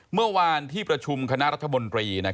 เมื่อวานที่ประชุมคณะรัฐมนตรี